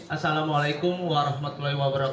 assalamu'alaikum warahmatullahi wabarakatuh